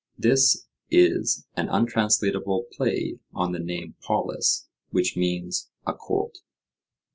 (This is an untranslatable play on the name "Polus," which means "a colt.")